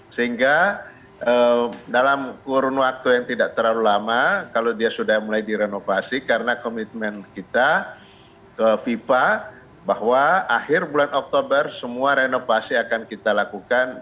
sehingga dalam kurun waktu yang tidak terlalu lama kalau dia sudah mulai direnovasi karena komitmen kita ke fifa bahwa akhir bulan oktober semua renovasi akan kita lakukan